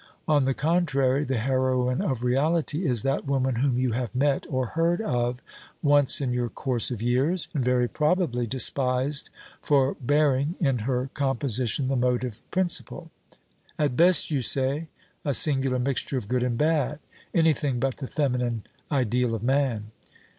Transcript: On the contrary, the heroine of Reality is that woman whom you have met or heard of once in your course of years, and very probably despised for bearing in her composition the motive principle; at best, you say, a singular mixture of good and bad; anything but the feminine ideal of man.